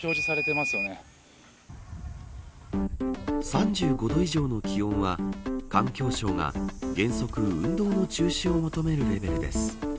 ３５度以上の気温は環境省が原則運動の中止を求めるレベルです。